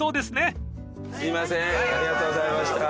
すいません。